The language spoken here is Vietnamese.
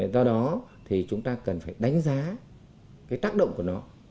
do đó thì chúng ta cần phải đánh giá cái tác động của nó